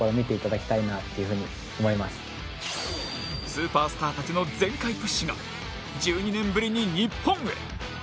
スーパースターたちの全開プッシュが１２年ぶりに日本へ！